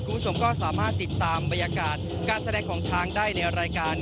คุณผู้ชมก็สามารถติดตามบรรยากาศการแสดงของช้างได้ในรายการ